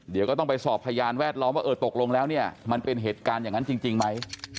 เดี๋ยวก็ต้องไปสอบพยานแวดล้อมว่าเออตกลงแล้วเนี่ยมันเป็นเหตุการณ์อย่างนั้นจริงไหม